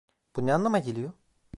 Bu ne anlama geliyor?